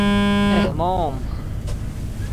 احمام